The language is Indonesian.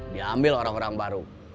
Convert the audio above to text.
dia ambil orang orang baru